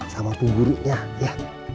sama punggurunya ya